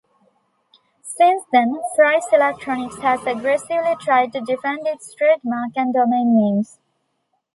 Since then, Fry's Electronics has aggressively tried to defend its trademark and domain names.